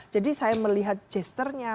jadi saya melihat gesternya